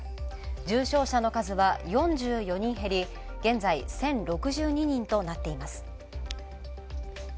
重症者の数は４４人減り、現在１０６２人となっています。